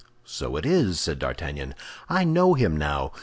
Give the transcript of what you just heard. "So it is!" said D'Artagnan; "I know him now.